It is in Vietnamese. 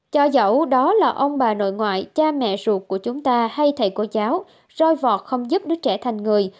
cho dẫu đó là ông bà nội ngoại cha mẹ ruột của chúng ta hay thầy cô giáo roi vọt không giúp đứa trẻ thành người